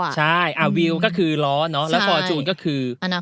ใช่วิวก็คือล้อแล้วฟอร์จูนก็คือ